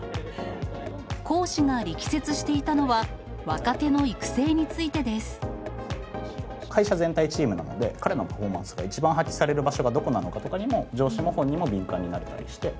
講師が力説していたのは、会社全体がチームなんで、彼のパフォーマンスが一番発揮される場所がどこなのかということにも、上司も本人も敏感になったりして。